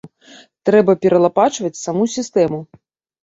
Трэба пералапачваць саму сістэму.